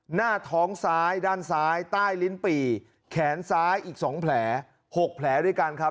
หน้าท้องซ้ายด้านซ้ายใต้ลิ้นปี่แขนซ้ายอีก๒แผล๖แผลด้วยกันครับ